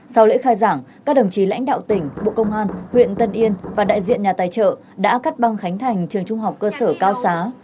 sau lễ khai giảng các đồng chí lãnh đạo tỉnh bộ công an huyện tân yên và đại diện nhà tài trợ đã cắt băng khánh thành trường trung học cơ sở cao xá